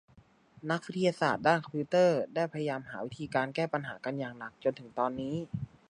นักวิทยาศาสตร์ด้านคอมพิวเตอร์ได้พยายามหาวิธีการแก้ปัญหากันอย่างหนักจนถึงตอนนี้